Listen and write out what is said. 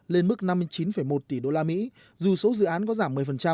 lên mức năm mươi chín một tỷ usd dù số dự án có giảm một mươi